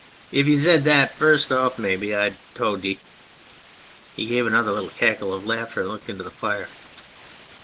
" If ye'd zed that furst orf, mebbe I'd a towd ee !" He gave another little cackle of laughter and looked o o into the fire.